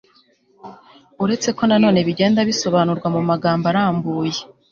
uretse ko nanone bigenda bisobanurwa mu magambo arambuye